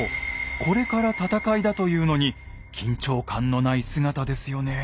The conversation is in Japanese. これから戦いだというのに緊張感のない姿ですよね。